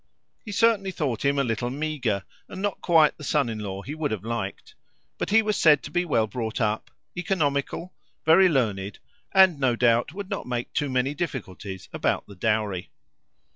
He certainly thought him a little meagre, and not quite the son in law he would have liked, but he was said to be well brought up, economical, very learned, and no doubt would not make too many difficulties about the dowry.